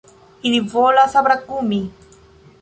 Ili volas brakumi!